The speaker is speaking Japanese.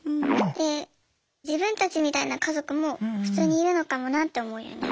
で自分たちみたいな家族も普通にいるのかもなって思うようになりました。